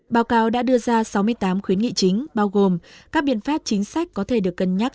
báo cáo đã đưa ra sáu mươi tám khuyến nghị chính bao gồm các biện pháp chính sách có thể được cân nhắc